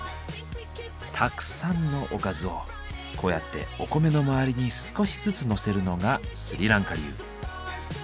たくさんのおかずをこうやってお米の周りに少しずつのせるのがスリランカ流。